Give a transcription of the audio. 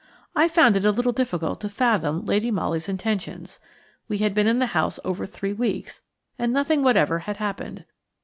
I found it a little difficult to fathom Lady Molly's intentions. We had been in the house over three weeks, and nothing whatever had happened.